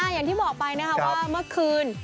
อย่างที่บอกไปนะคะว่าเมื่อคืน